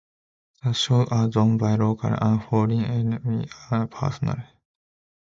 The shows are done by local and foreign army personnel.